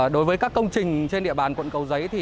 đối với các công trình trên địa bàn quận cầu giấy